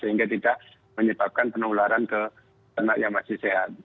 sehingga tidak menyebabkan penularan ke ternak yang masih sehat